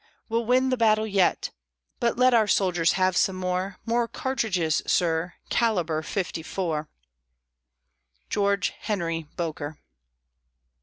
We'll win the battle yet! But let our soldiers have some more, More cartridges, sir, calibre fifty four!" GEORGE HENRY BOKER.